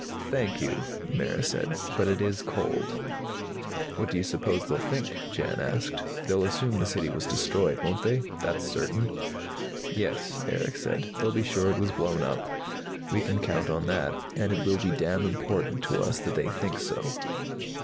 "Thank you," Mara said, "but it is cold." "What do you suppose they'll think?" Jan asked. "They'll assume the City was destroyed, won't they? That's certain." "Yes," Erick said. "They'll be sure it was blown up. We can count on that. And it will be damn important to us that they think so!"